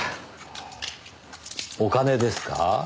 お金ですか？